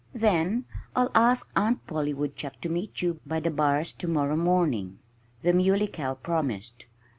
"Then I'll ask Aunt Polly Woodchuck to meet you by the bars to morrow morning," the Muley Cow promised.